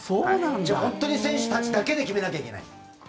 じゃあ本当に選手たちだけで決めないといけない。